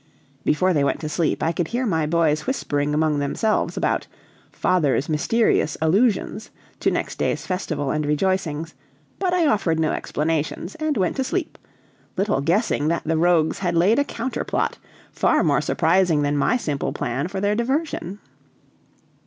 Before they went to sleep, I could hear my boys whispering among themselves, about "father's mysterious allusions" to next day's festival and rejoicings; but I offered no explanations, and went to sleep, little guessing that the rogues had laid a counter plot, far more surprising than my simple plan for their diversion.